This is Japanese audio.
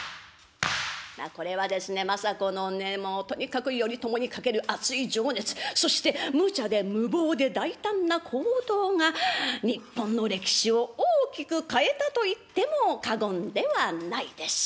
まあこれはですね政子のねもうとにかく頼朝にかける熱い情熱そしてむちゃで無謀で大胆な行動が日本の歴史を大きく変えたと言っても過言ではないでしょう。